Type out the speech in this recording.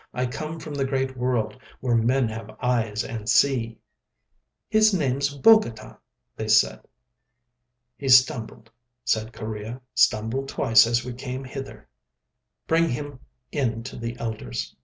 I come from the great world—where men have eyes and see." "His name's Bogota," they said. "He stumbled," said Correa—"stumbled twice as we came hither." "Bring him in to the elders."